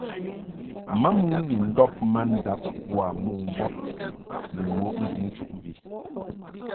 Mamon ni ndɔb mandab boa mombɔd ni mɔʼ nduŋ nchuʼmvi.